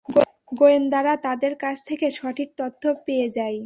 গোয়েন্দারা তাদের কাছ থেকে সঠিক তথ্য পেয়ে যায়।